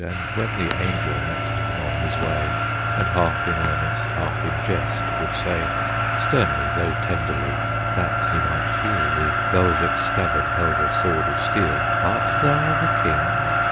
And when the Angel met him on his way, And half in earnest, half in jest, would say, Sternly, though tenderly, that he might feel The velvet scabbard held a sword of steel, "Art thou the King?"